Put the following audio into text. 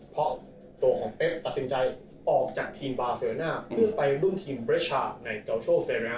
เพราะตัวของเป๊บตัดสินใจที่จะออกจากทีมบาเซลน่าเพื่อไปร่วมทีมเมริกาในเกาชโชภ์เซลน่า